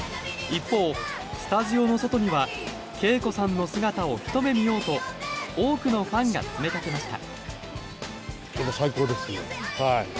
一方、スタジオの外にはＫＥＩＫＯさんの姿を一目見ようと多くのファンが詰めかけました。